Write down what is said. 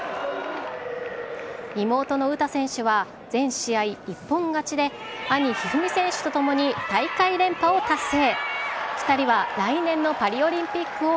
妹の詩選手は全試合、一本勝ちで、兄、一二三選手と共に大会連覇を達成。